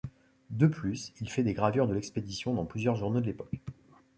De plus, il fait des gravures de l'expédition dans plusieurs journaux de l'époque.